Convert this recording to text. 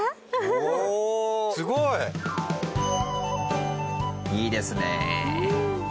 おおすごい！いいですね。